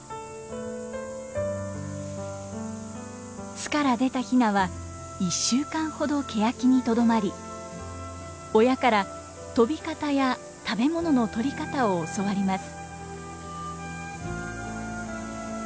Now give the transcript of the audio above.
巣から出たヒナは１週間ほどケヤキにとどまり親から飛び方や食べ物の捕り方を教わります。